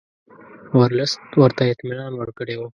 ورلسټ ورته اطمینان ورکړی وو.